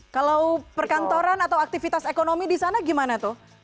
kalau perkantoran atau aktivitas ekonomi di sana gimana tuh